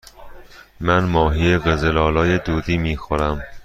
من ماهی قزل آلا دودی می خورم.